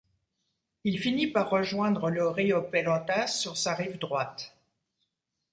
Il finit par rejoindre le rio Pelotas sur sa rive droite.